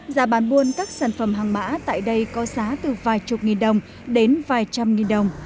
giá bán buôn các sản phẩm hàng mã tại đây có giá từ vài chục nghìn đồng đến vài trăm nghìn đồng